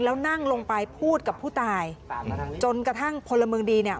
แล้วนั่งลงไปพูดกับผู้ตายจนกระทั่งพลเมืองดีเนี่ย